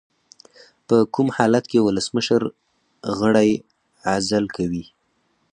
په کوم حالت کې ولسمشر غړی عزل کوي؟